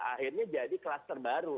akhirnya jadi klaster baru